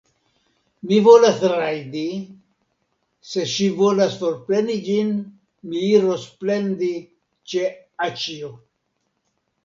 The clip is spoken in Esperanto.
Mi volas rajdi; se ŝi volas forpreni ĝin, mi iros plendi ĉe aĉjo.